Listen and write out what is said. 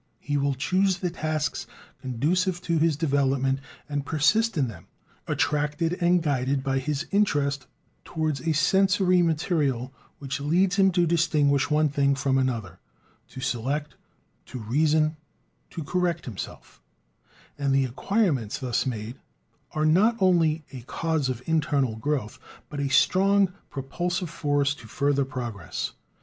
He will choose the tasks conducive to his development and persist in them, attracted and guided by his interest towards a sensory material which leads him to distinguish one thing from another, to select, to reason, to correct himself; and the acquirements thus made are not only "a cause of internal growth" but a strong propulsive force to further progress.